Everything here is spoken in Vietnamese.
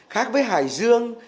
khác với hải dương